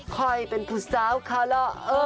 คอยเป็นผู้สาวขาหละ